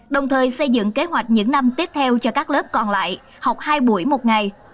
đồng thời xây dựng kế hoạch những năm tiếp theo cho các lớp còn lại học hai buổi một ngày